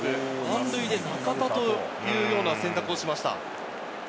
満塁で中田というような選択をしました。